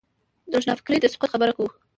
د روښانفکرۍ د سقوط خبره کوو.